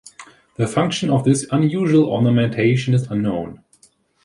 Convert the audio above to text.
The function of this unusual ornamentation is unknown.